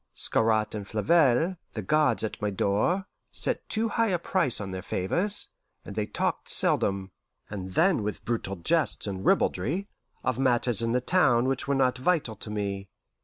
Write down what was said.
Scarrat and Flavelle, the guards at my door, set too high a price on their favours, and they talked seldom, and then with brutal jests and ribaldry, of matters in the town which were not vital to me.